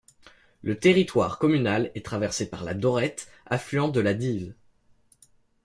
Le territoire communal est traversé par la Dorette, affluent de la Dives.